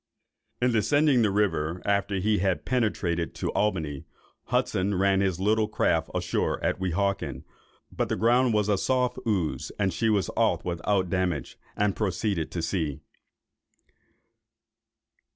In descending the river, after he had penetrated to Albany, Hudson ran his little craft ashore at Weehawken; but the ground was a soft ooze, and she was got off without damage, and proceeded to sea.